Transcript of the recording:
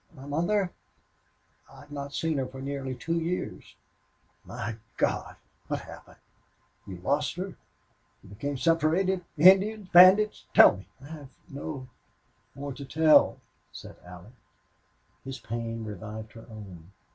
"My mother! I've not seen her for nearly two years." "My God! What happened? You lost her? You became separated?... Indians bandits?... Tell me!" "I have no more to tell," said Allie. His pain revived her own.